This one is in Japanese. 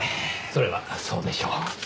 それはそうでしょう。